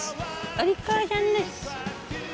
お利口さんです。